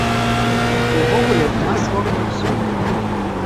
І ўвогуле, у нас вокны ўсюды.